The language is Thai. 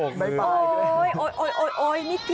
เกมสูตรนี้โบบด์ไปไป